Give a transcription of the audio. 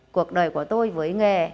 cuộc đời của tôi với nghề